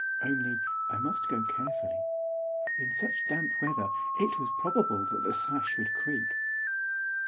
Only, I must go carefully. In such damp weather it was probable that the sash would creak.